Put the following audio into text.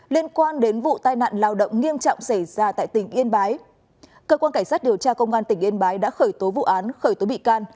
liên quan đến vụ tai nạn lao động nghiêm trọng xảy ra tại tỉnh yên bái cơ quan cảnh sát điều tra công an tỉnh yên bái đã khởi tố vụ án khởi tố bị can